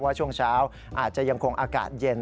ช่วงเช้าอาจจะยังคงอากาศเย็น